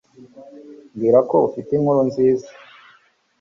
mbwira ko ufite inkuru nziza